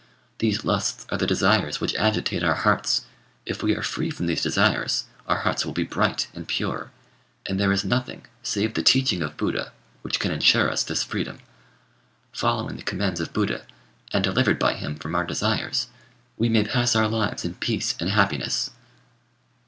These lusts are the desires which agitate our hearts: if we are free from these desires, our hearts will be bright and pure, and there is nothing, save the teaching of Buddha, which can ensure us this freedom. Following the commands of Buddha, and delivered by him from our desires, we may pass our lives in peace and happiness."